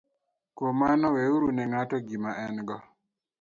Kuom mano, weuru ne ng'ato gima en - go,